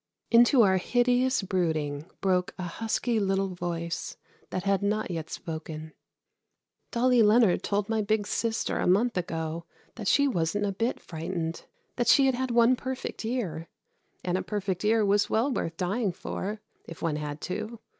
Into our hideous brooding broke a husky little voice that had not yet spoken: "Dolly Leonard told my big sister a month ago that she wasn't a bit frightened, that she had had one perfect year, and a perfect year was well worth dying for if one had to.